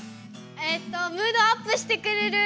えっとムードアップしてくれる！